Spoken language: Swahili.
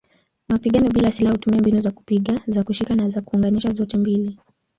Mapigano bila silaha hutumia mbinu za kupiga, za kushika na za kuunganisha zote mbili.